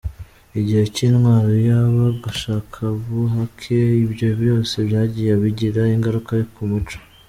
Igihe cy’intwaro ya ba gashakabuhake, ibyo byose byagiye bigira ingaruka ku muco.